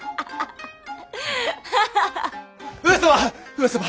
上様！